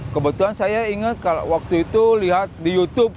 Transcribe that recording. kebetulan saya ingat waktu itu lihat di youtube